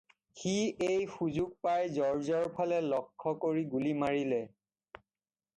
সি এই সুযোগ পাই জৰ্জৰ ফালে লক্ষ্য কৰি গুলি মাৰিলে।